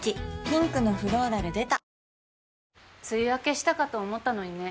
ピンクのフローラル出た梅雨明けしたかと思ったのにね。